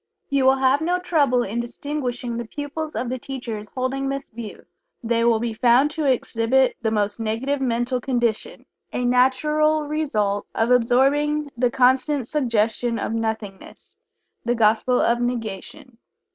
You will have no trouble in distinguishing the pupils of the teachers holding this view. They will be found to exhibit the most negative mental condition a natural result of absorbing the constant suggestion of "nothingness" the gospel of negation.